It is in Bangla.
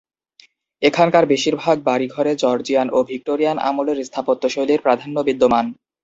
এখানকার বেশিরভাগ বাড়ি-ঘরে জর্জিয়ান ও ভিক্টোরিয়ান আমলের স্থাপত্যশৈলীর প্রাধান্য বিদ্যমান।